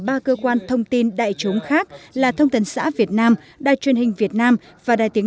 ba cơ quan thông tin đại chúng khác là thông tần xã việt nam đài truyền hình việt nam và đài tiếng